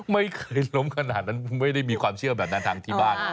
ไม่เคยล้มขนาดนั้นไม่ได้มีความเชื่อแบบนั้นทางที่บ้าน